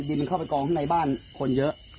ดินมันเข้าไปกองข้างในบ้านคนเยอะ